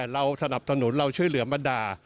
เราสนับสนุนเราช่วยเหลือบรรดา